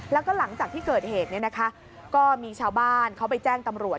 แล้วก็หลังจากที่เกิดเหตุก็มีชาวบ้านเขาไปแจ้งตำรวจ